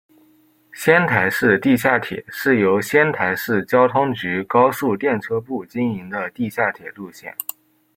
仙台市地下铁是由仙台市交通局高速电车部经营的地下铁路线。